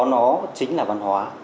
nó chính là văn hóa